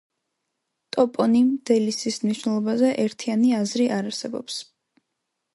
ტოპონიმ „დელისის“ მნიშვნელობაზე ერთიანი აზრი არ არსებობს.